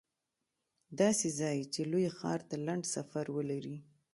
داسې ځای چې لوی ښار ته لنډ سفر ولري